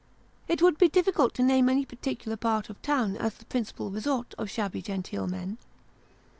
It would be difficult to name any particular part of town as the principal resort of shabby genteel men.